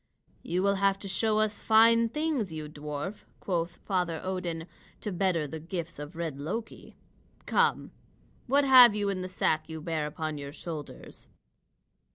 "You will have to show us fine things, you dwarf," quoth Father Odin, "to better the gifts of red Loki. Come, what have you in the sack you bear upon your shoulders?"